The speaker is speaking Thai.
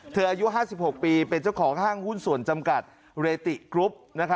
อายุ๕๖ปีเป็นเจ้าของห้างหุ้นส่วนจำกัดเรติกรุ๊ป